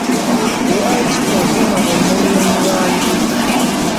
Lwaki okuma omuliro mu bantu?